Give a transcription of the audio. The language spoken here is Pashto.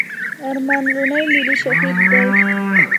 ارمان لوڼي ملي شهيد دی.